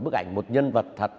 một bức ảnh một nhân vật thật